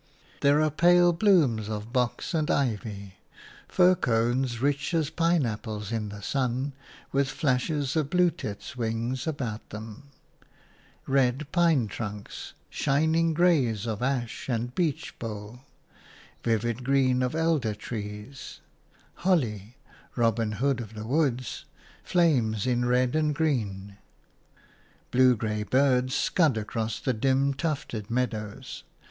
There are pale blooms of box and ivy; fir cones rich as pine apples in the sun, with flashes of blue tits' wings about them; red pine trunks; shining greys of ash and beech bole; vivid green of elder trees; holly (Robin Hood of the woods) flames in red and green; blue grey birds scud across the dim, tufted meadows.